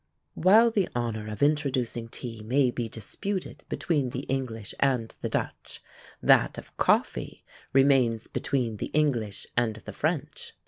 While the honour of introducing tea may be disputed between the English and the Dutch, that of coffee remains between the English and the French.